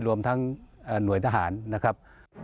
รวมทั้งหน่วยทหารนะครับ